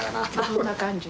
そんな感じ。